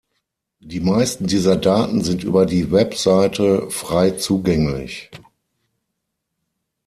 Die meisten dieser Daten sind über die Webseite frei zugänglich.